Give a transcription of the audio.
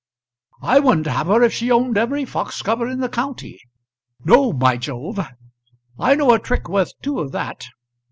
"I wouldn't have her if she owned every fox cover in the county. No, by Jove! I know a trick worth two of that.